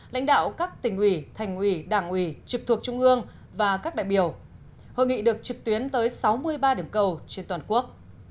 lãnh đạo các tỉnh ủy thành ủy đảng ủy trực thuộc trung ương và các đại biểu hội nghị được trực tuyến tới sáu mươi ba điểm cầu trên toàn quốc